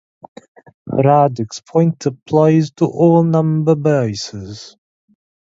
"Radix point" applies to all number bases.